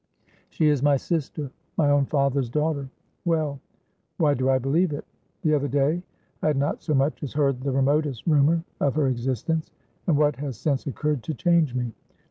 She is my sister my own father's daughter. Well; why do I believe it? The other day I had not so much as heard the remotest rumor of her existence; and what has since occurred to change me?